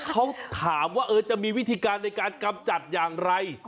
เขาถามว่าจะมีวิธีการในการกำจัดอย่างไร